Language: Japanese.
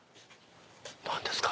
何ですか？